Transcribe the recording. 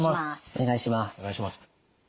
お願いします。